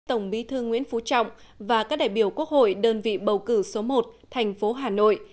tổng bí thư nguyễn phú trọng và các đại biểu quốc hội đơn vị bầu cử số một thành phố hà nội